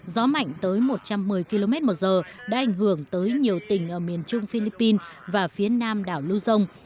gió mạnh tới một trăm một mươi km một giờ đã ảnh hưởng tới nhiều tỉnh ở miền trung philippines và phía nam đảo lưu dông